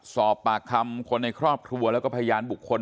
สอบปากคำคนในครอบครัวแล้วก็พยานบุคคล